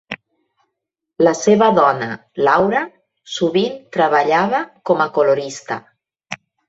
La seva dona, Laura, sovint treballava com a colorista.